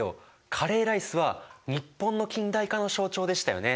カレーライスは日本の近代化の象徴でしたよね。